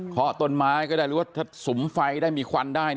ต้นไม้ก็ได้หรือว่าถ้าสุมไฟได้มีควันได้